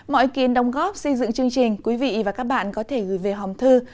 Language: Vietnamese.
mọi ý kiến đồng góp xây dựng chương trình quý vị và các bạn có thể gửi về hòm thư